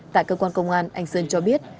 tại cơ quan công an anh sơn cho biết